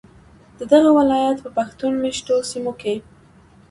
ددغه ولایت په پښتون میشتو سیمو کې